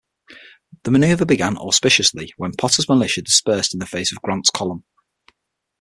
The manoeuvre began auspiciously when Potter's militia dispersed in the face of Grant's column.